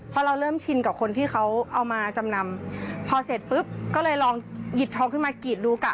พอเราเริ่มชินกับคนที่เขาเอามาจำนำพอเสร็จปุ๊บก็เลยลองหยิบทองขึ้นมากรีดดูกะ